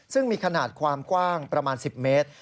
ซึ่งมีขนาดความกว้างประมาณ๑๐เมตร